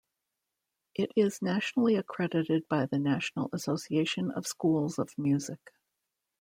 It is nationally accredited by the National Association of Schools of Music.